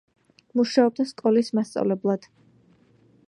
მუშაობდა სკოლის მასწავლებლად.